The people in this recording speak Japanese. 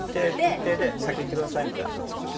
一定で先行ってくださいみたいな形ですね。